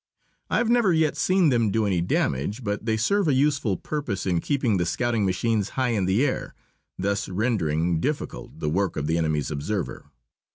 I have never yet seen them do any damage, but they serve a useful purpose in keeping the scouting machines high in the air, thus rendering difficult the work of the enemy's observer.